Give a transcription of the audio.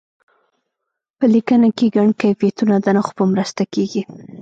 په لیکنه کې ګڼ کیفیتونه د نښو په مرسته کیږي.